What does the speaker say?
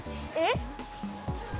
えっ？